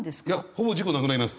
ほぼ事故なくなります。